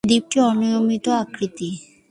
দ্বীপটি অনিয়মিত আকৃতির।